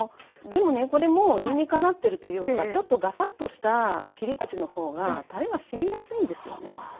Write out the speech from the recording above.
でもねこれも理にかなってるというかちょっとがさっとした切り口の方がたれがしみやすいんですよね